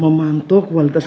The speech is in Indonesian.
memantuk kualitas udara